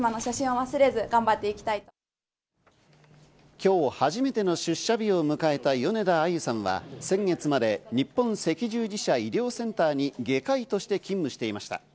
今日、初めての出社日を迎えた米田あゆさんは先月まで日本赤十字社医療センターに外科医として勤務していました。